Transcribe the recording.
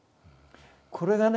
これがね